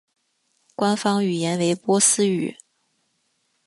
官方语言为波斯语。